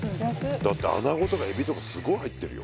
だって穴子とか海老とかすごい入ってるよ